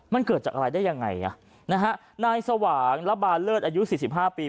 มันเกิดจากอะไรได้ยังไงอ่ะนะฮะนายสว่างระบาเลิศอายุสี่สิบห้าปี